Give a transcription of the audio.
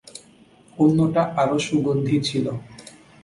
অন্যটা আরো সুগন্ধি ছিল।